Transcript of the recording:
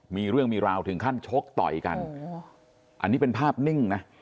มีเรื่องมีราวถึงขั้นชกต่อยกันอันนี้เป็นภาพนิ่งนะ